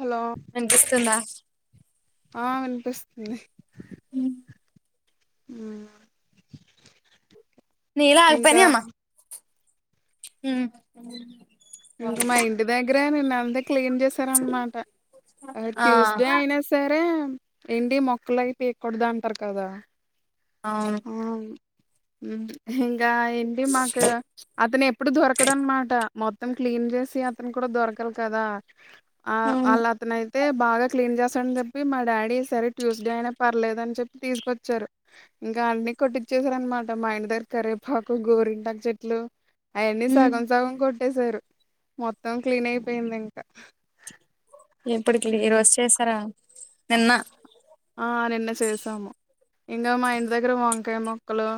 Hello వినిపిస్తుందా? ఆ వినిపిస్తుంది. మ్ మ్ నీళ్ళు ఆగపోయినాయి అమ్మా మ్ ఇంక మా ఇంటి దగ్గరే నిన్న అంతా క్లీన్ చేశారన్నమాట. ఆ ట్యూస్డే అయినా సరే ఏంటి మొక్కలవి తీయకూడదు అంటారు కదా? అవును ఇంకా ఏంటి మాకు అతను ఎప్పుడు దొరకడు అన్నమాట. మొత్తం క్లీన్ చేసి అతను కూడా దొరకాలి కదా? ఆ వాళ్ళు ఉమ్ అతను అయితే బాగా క్లీన్ చేస్తాడు ఇవి మా డాడీ సరే ట్యూస్డే అయినా పర్లేదని చెప్పి తీసుకొచ్చారు. ఇంకా అన్నీ కొట్టించేసారు అన్నమాట. మా ఇంటి దగ్గర కరవేపాకు, గోరింటకు చెట్లు. అవన్నీ సగం సగం కొట్టేసారు. మొత్తం క్లీన్ అయిపోయింది ఇంకా ఎప్పటికి ఈ రోజు చేసారా? నిన్న ఆ నిన్న చేసాము. ఇంకా మా ఇంటి దగ్గర వంకాయ మొక్కలు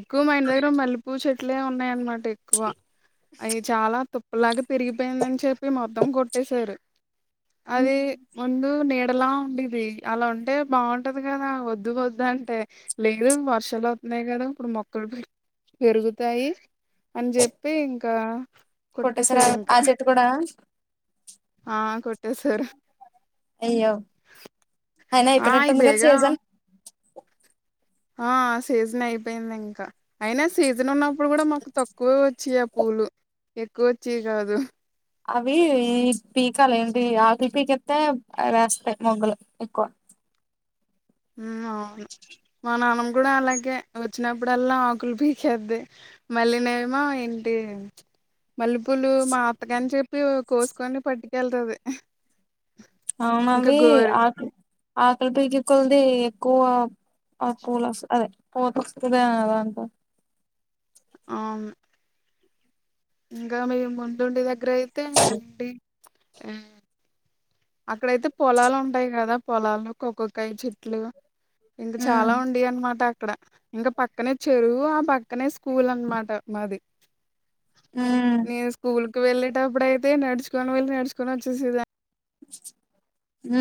ఎక్కువ మా ఇంటి దగ్గర మల్లెపూ చెట్లే ఉన్నాయన్నమాట ఎక్కువ అవి చాలా తుప్పులాగా పెరిగిపోయిందని చెప్పి మొత్తం కొట్టేశారు. అది ముందు నీడలా ఉండది. అలా ఉంటే బాగుంటది కదా? వద్దు వద్దంటే లేదు వర్షాలు అవుతున్నాయి కదా ఇప్పుడు మొక్కలు పెరుగుతాయి. అని జెప్పి ఇంకా కొట్టే కొట్టేసారా సారు ఆ ఇంకా చెట్టు కూడా ఆ కొట్టే సారు. అయ్యో, అయినా ఆ అయి ఇప్పుడెక్కడుంది గా బేగా సీజన్ ఆ సీజన్ అయిపోయింది. ఇంకా అయినా సీజన్ ఉన్నప్పుడు కూడా మాకు తక్కువే వచ్చేవి పూలు ఎక్కువ వచ్చేవి కాదు. అవీ ఈ పీకాలే ఏంటీ ఆకి పీకేత్తే రాస్పే మొగ్గులు ఎక్కువ హూమ్ అవును మా నాన్నమ్మ గూడా అలాగే వచ్చినప్పుడల్లా ఆకుల్ పీకేద్ది మళ్ళినేమో ఏంటీ మల్లె పూలు మా అత్త గన్ చెప్పి కోసుకొని పట్టుకెళ్తది అవున్ ఇంకా అవీ గోరు ఆకి ఆకుల్ పీకే కొల్దీ కోవా ఆ పూలోస్ అదే పోతొస్తదీ అది అంత ఆమ్ ఇంగా మేమ్ ఉండుండి దగ్గర అయితే డీ ఎ అక్కడయితే పొలాలు ఉంటాయ్ కదా పొలాలు కోక్కోకాయ చెట్లూ ఇంగ చాలా ఉన్ డి అన్మాట అక్కడ ఇంక పక్కనే చెరువు ఆ పక్కనే స్కూల్ అన్మాట మాది నే స్కూల్ కు వెళ్ళేటప్పుడు అయితే నడుచుకొని వెళ్ళి నడుచుకొని ఒచ్చేసేదా ఊ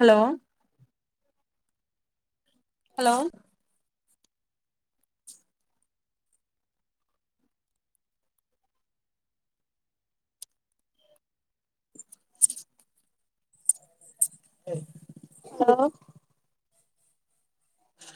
హలో హలో హలో అ